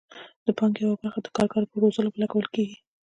د پانګې یوه برخه د کارګرو په روزلو لګول کیږي.